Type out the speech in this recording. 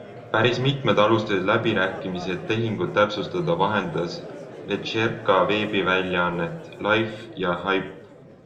Päris mitmed alustasid läbirääkimisi, et tehingut täpsustada, vahendas Vecherka veebiväljaannet Life ja HYPE.